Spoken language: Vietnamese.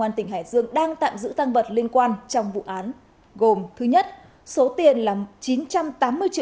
công an tỉnh hải dương đang tạm giữ tăng vật liên quan trong vụ án gồm thứ nhất số tiền là chín trăm tám mươi triệu